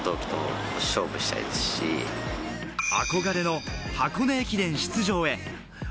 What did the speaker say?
憧れの箱根駅伝出場へ。